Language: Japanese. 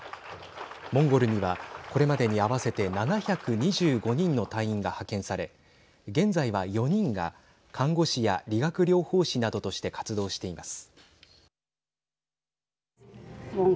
モンゴルには、これまでに合わせて７２５人の隊員が派遣され現在は４人が看護師や理学療法士などとして活動しています。